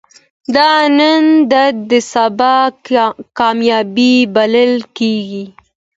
د نن درد د سبا کامیابی بلل کېږي.